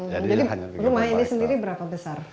jadi rumah ini sendiri berapa besar